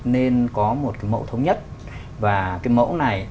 nên có một cái mẫu thống nhất và cái mẫu này